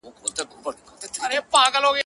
مرگ په ماړه نس ښه خوند کوي.